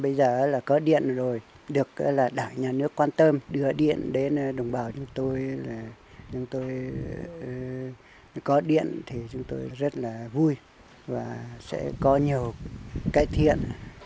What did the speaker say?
bây giờ là có điện rồi được đảng nhà nước quan tâm đưa điện đến đồng bào chúng tôi là chúng tôi có điện thì chúng tôi rất là vui và sẽ có nhiều cải thiện